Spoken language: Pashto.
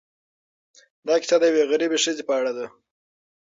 دا کيسه د یوې غریبې ښځې په اړه ده.